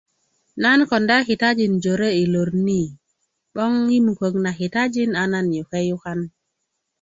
nan konda kitajin jore i lor ni 'boŋ i mukök na kitajin a nan yuke yukan